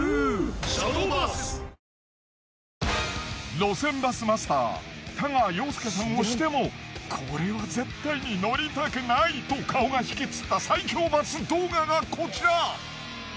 路線バスマスター太川陽介さんをしてもこれは絶対に乗りたくないと顔がひきつった最強バス動画がこちら！